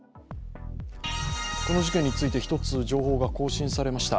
この事件について１つ、情報が更新されました。